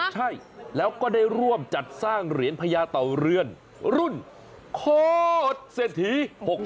ใช่แล้วก็ได้ร่วมจัดสร้างเหรียญพญาเต่าเรือนรุ่นโคตรเศรษฐี๖๐